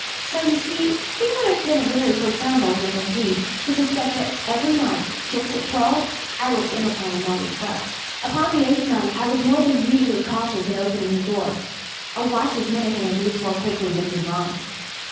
So you see he would have been a very profound old man, indeed, to suspect that every night, just at twelve, I looked in upon him while he slept. Upon the eighth night I was more than usually cautious in opening the door. A watch's minute hand moves more quickly than did mine.